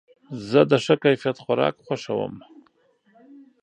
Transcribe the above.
زه د ښه کیفیت خوراک خوښوم.